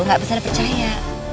gak bisa dipercaya